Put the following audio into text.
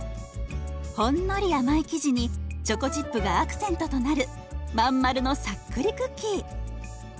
ほんのり甘い生地にチョコチップがアクセントとなる真ん丸のさっくりクッキー。